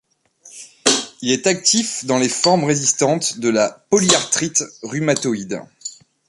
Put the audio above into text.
Il est actif dans les formes résistantes de la polyarthrite rhumatoïde.